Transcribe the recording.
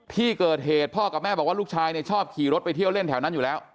ที่เกิดเหตุพ่อกับแม่บอกว่าลูกชายชอบขี่รถไปเที่ยวเล่นแถวนั้นอยู่แล้ว